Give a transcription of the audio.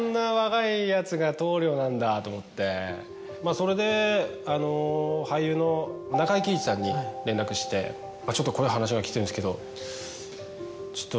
それで俳優の中井貴一さんに連絡して「ちょっとこういう話が来てるんですけど」。